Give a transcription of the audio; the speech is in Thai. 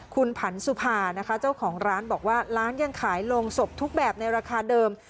คุณผันสุภานะคะเจ้าของร้านบอกว่าร้านยังขายโรงศพทุกแบบในราคาเดิม